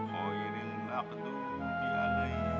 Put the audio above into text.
hoiril baktu di alai